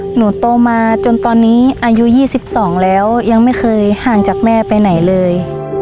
หนูโตมาจนตอนนี้อายุ๒๒แล้วยังไม่เคยห่างจากแม่ไปไหนเลย